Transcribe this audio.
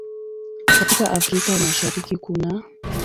Katika Afrika ya Mashariki kunaː